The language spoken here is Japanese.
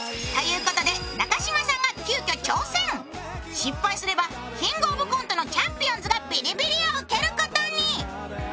失敗すればキングオブコントのチャンピオンズがビリビリを受けることに。